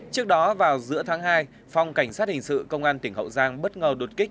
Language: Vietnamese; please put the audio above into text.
trước đó vào giữa tháng hai phòng cảnh sát hình sự công an tỉnh hậu giang bất ngờ đột kích